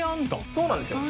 そうなんですよ。